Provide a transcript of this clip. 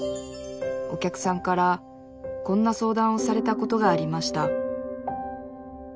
お客さんからこんな相談をされたことがありました